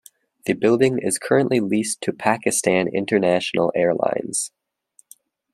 The building is currently leased to Pakistan International Airlines.